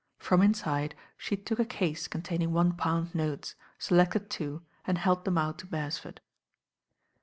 From inside she took a case containing one pound notes, selected two and held them out to Beresford.